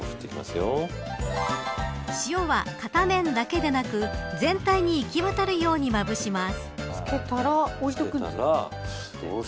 塩は片面だけでなく、全体に行き渡るようにまぶします。